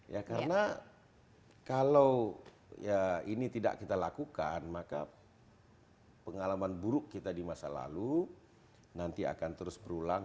ya karena kalau ya ini tidak kita lakukan maka pengalaman buruk kita di masa lalu nanti akan terus berulang